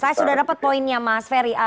saya sudah dapat poinnya mas ferry